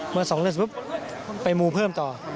มาสองเรื่องเสร็จปุ๊บ